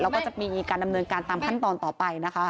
แล้วก็จะมีการดำเนินการตามขั้นตอนต่อไปนะคะ